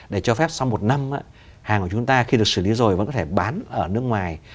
để cho phép sau một năm hàng của chúng ta khi được xử lý rồi vẫn có thể bán ở nước ngoài